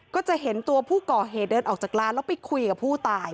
ก็จะเห็นตัวผู้ก่อเหตุเดินออกจากร้านแล้วไปคุยกับผู้ตาย